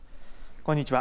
こんにちは。